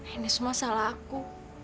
ini semua salah aku